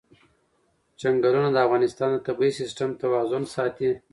چنګلونه د افغانستان د طبعي سیسټم توازن ساتي.